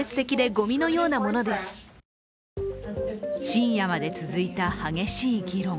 深夜まで続いた激しい議論。